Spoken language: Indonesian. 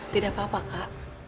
tidak apa apa kak